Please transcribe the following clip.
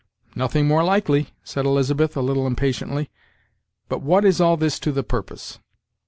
"Nothing more likely," said Elizabeth, a little impatiently; "but what is all this to the purpose?"